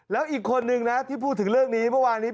แล้วอีกคนนึงนะที่พูดถึงเรื่องนี้เมื่อวานนี้